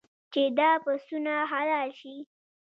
چې دا پسونه حلال شي.